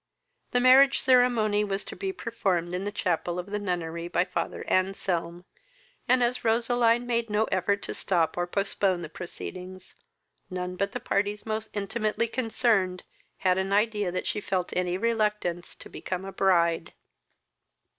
The marriage ceremony was to be performed in the chapel of the nunnery by father Anselm, and, as Roseline made no effort to stop or postpone the proceedings, none but the parties most intimately concerned had an idea that she felt any reluctance to become a bride.